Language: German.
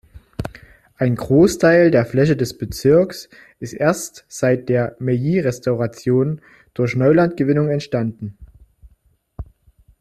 Ein Großteil der Fläche des Bezirks ist erst seit der Meiji-Restauration durch Neulandgewinnung entstanden.